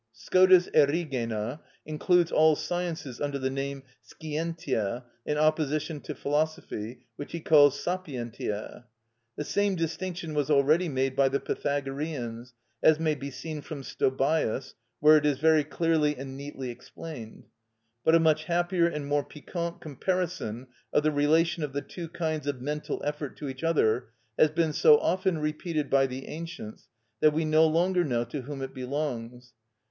Scotus Erigena includes all sciences under the name Scientia, in opposition to philosophy, which he calls Sapientia. The same distinction was already made by the Pythagoreans; as may be seen from Stobæus (Floril., vol. i. p. 20), where it is very clearly and neatly explained. But a much happier and more piquant comparison of the relation of the two kinds of mental effort to each other has been so often repeated by the ancients that we no longer know to whom it belongs.